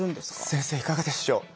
先生いかがでしょう？